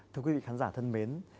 thưa quý vị khán giả thân mến